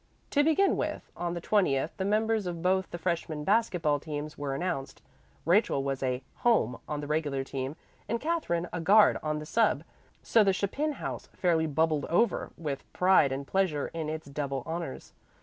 To begin with, on the twentieth the members of both the freshman basket ball teams were announced. Rachel was a "home" on the regular team, and Katherine a guard on the "sub," so the Chapin house fairly bubbled over with pride and pleasure in its double honors.